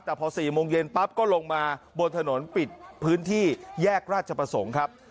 แต่พอ๔โมงเย็นปั๊บก็ลงมาบนถนนปิดพื้นที่แยกราชประสงค์ครับ